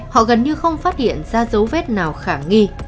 họ gần như không phát hiện ra dấu vết nào khả nghi